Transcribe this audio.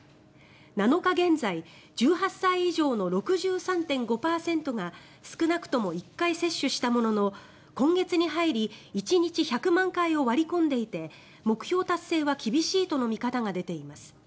７日現在１８歳以上の６３．５％が少なくとも１回接種したものの今月に入り１日１００万回を割り込んでいて目標達成は厳しいとの見方が出ています。